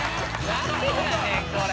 「なんやねんこれ」